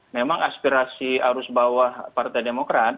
memang aspirasi arus bawah partai demokrat